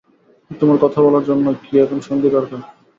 তোমার কথা বলার জন্যে কি এখন সঙ্গী দরকার?